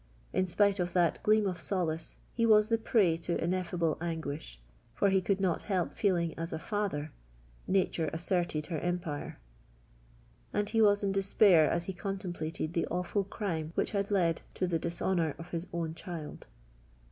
In spite of that gleam of solace he was the prey to ineffable anguish,—for he could not help feeling as a father: nature asserted her empire,—and he was in despair as he contemplated the awful crime which had led to the dishonour of his own child!